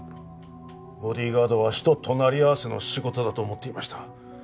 ボディーガードは死と隣り合わせの仕事だと思っていました。